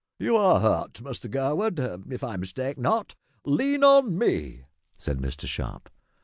"You are hurt Mr Gurwood, if I mistake not, lean on me," said Mr Sharp.